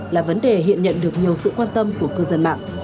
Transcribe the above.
là vấn đề hiện nhận được nhiều sự quan tâm của cư dân mạng